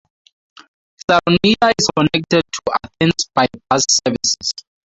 Saronida is connected to Athens by bus services.